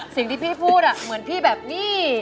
สิ่งที่พี่พูดเหมือนพี่แบบนี้